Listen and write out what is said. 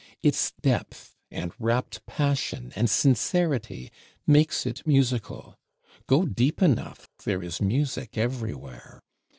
Its depth, and rapt passion and sincerity, makes it musical; go deep enough, there is music everywhere.